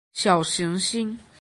小行星